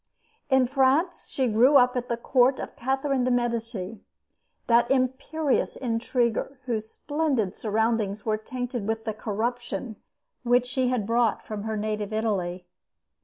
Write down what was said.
In France she grew up at the court of Catherine de' Medici, that imperious intriguer whose splendid surroundings were tainted with the corruption which she had brought from her native Italy.